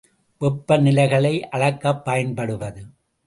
வெப்ப நிலைகளை அளக்கப் பயன்படுவது.